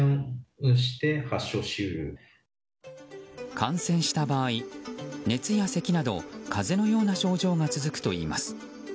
感染した場合、熱やせきなど風邪のような症状が続くといいます。